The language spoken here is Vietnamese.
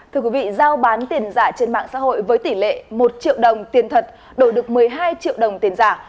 thưa quý vị giao bán tiền giả trên mạng xã hội với tỷ lệ một triệu đồng tiền thật đổi được một mươi hai triệu đồng tiền giả